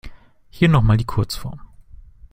Hier noch mal die Kurzform.